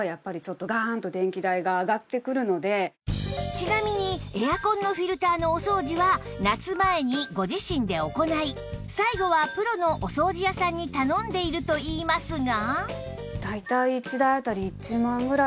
ちなみにエアコンのフィルターのお掃除は夏前にご自身で行い最後はプロのお掃除屋さんに頼んでいるといいますが